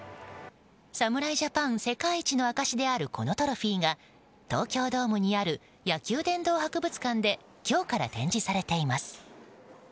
侍ジャパン世界一の証しであるこのトロフィーが東京ドームにある野球殿堂博物館で今日から展示されています。